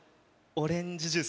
オレンジジュース？